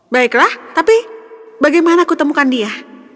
baiklah tapi bagaimana aku temukan dia